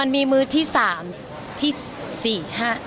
มีมือที่๓ที่๔ที่๕